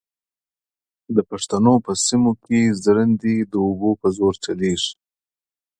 د پښتنو په سیمو کې ژرندې د اوبو په زور چلېږي.